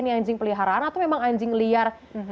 ini anjing peliharaan atau memang anjing liar